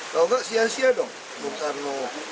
kalau tidak sia sia dong bukarno